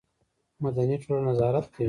مدني ټولنه نظارت کوي